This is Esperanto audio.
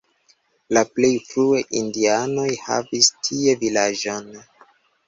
La plej frue indianoj havis tie vilaĝon.